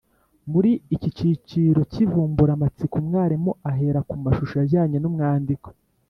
Muri iki kiciro k’ivumburamatsiko umwarimu ahera ku mashusho ajyanye n’umwandiko